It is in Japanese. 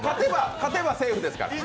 勝てばセーフですから。